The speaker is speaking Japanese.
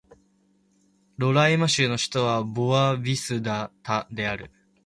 ロライマ州の州都はボア・ヴィスタである